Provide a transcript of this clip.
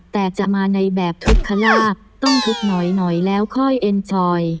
แต่จะมาในแบบทุกขลาบต้องทุกข์หน่อยแล้วค่อยเอ็นจอย